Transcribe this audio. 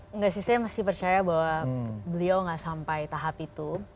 enggak sih saya masih percaya bahwa beliau nggak sampai tahap itu